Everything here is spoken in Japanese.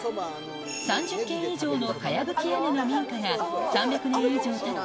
３０軒以上のかやぶき屋根の民家が、３００年以上たった